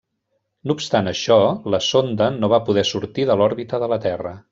No obstant això, la sonda no va poder sortir de l'òrbita de la Terra.